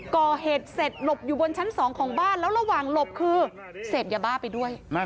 ก่อเหตุเสร็จหลบอยู่บนชั้น๒ของบ้านแล้วระหว่างหลบคือเสพยาบ้าไปด้วย